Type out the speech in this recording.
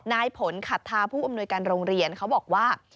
นายผลขัดทาผู้อำนวยการโรงเรียนเขาบอกว่า